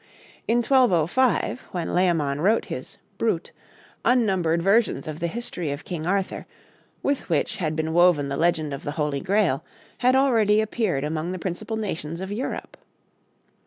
In 1205, when Layamon wrote his 'Brut,' unnumbered versions of the history of King Arthur, with which had been woven the legend of the Holy Grail, had already appeared among the principal nations of Europe.